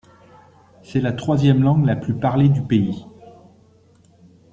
C'est la troisième langue la plus parlée du pays.